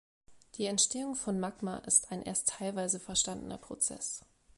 Die Entstehung von Magma ist ein erst teilweise verstandener Prozess.